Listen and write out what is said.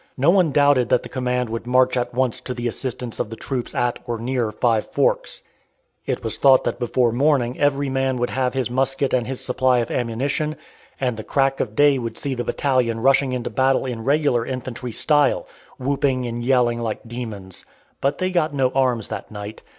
No one doubted that the command would march at once to the assistance of the troops at or near Five Forks. It was thought that before morning every man would have his musket and his supply of ammunition, and the crack of day would see the battalion rushing into battle in regular infantry style, whooping and yelling like demons. But they got no arms that night.